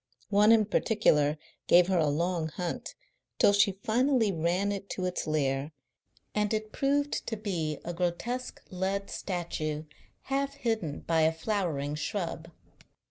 One in particular gave her a long hunt till she finally ran it to its lair, and it proved to be the shadow of a grotesque lead statue half hidden by a flowering shrub.